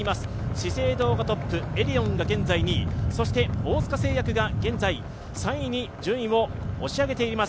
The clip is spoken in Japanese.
資生堂がトップエディオンが現在２位そして大塚製薬が現在３位に順位を押し上げています。